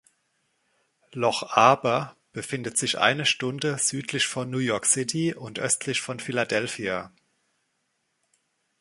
Loch Arbour befindet sich eine Stunde südlich von New York City und östlich von Philadelphia.